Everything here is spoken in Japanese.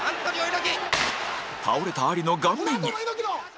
倒れたアリの顔面に